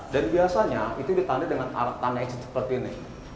dan biasanya itu ditandai dengan tanda exit seperti ini